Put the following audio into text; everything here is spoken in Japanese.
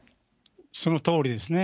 そのとおりですね。